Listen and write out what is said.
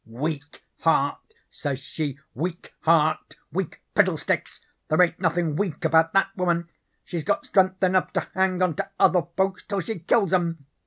"'Weak heart,' says she, 'weak heart; weak fiddlesticks! There ain't nothin' weak about that woman. She's got strength enough to hang onto other folks till she kills 'em.